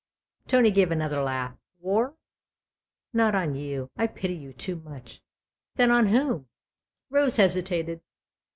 Tony gave another laugh. " War ?"" Not on you I pity you too much." " Then on whom ?" Rose hesitated.